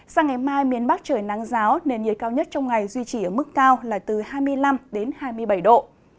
sang ngày mai miền bắc trời nắng giáo nền nhiệt cao nhất trong ngày duy trì ở mức cao là từ hai mươi năm đến hai mươi bảy độ